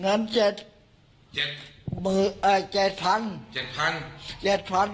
เงินเจ็ดเจ็ดเอ่อเจ็ดพันธุ์เจ็ดพันธุ์เจ็ดพันธุ์